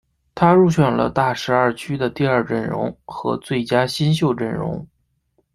他入选了大十二区的第二阵容和最佳新秀阵容。